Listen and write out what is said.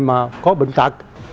mà có bệnh tật